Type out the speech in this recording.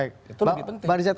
itu lebih penting